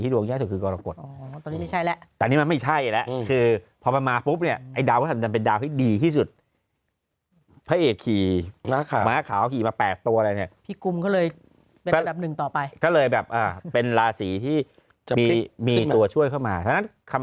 หรือไม่ใช่ก็แปลกต่อไปเลยแบบเป็นลาศีที่จำลีมีตัวช่วยเข้ามาครั้งนั้นคำ